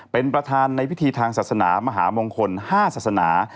เป็นประธานในพิธีทางศาสนามหามงคล๕ศาสนา